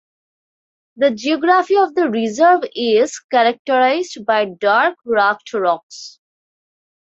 The geography of the reserve is characterized by dark rugged rocks.